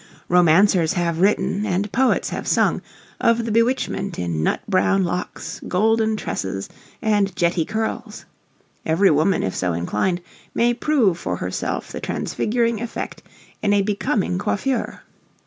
Romancers have written, and poets have sung, of the bewitchment in nut brown locks, golden tresses, and jetty curls. Every woman, if so inclined, may prove for herself the transfiguring effect in a becoming coiffure.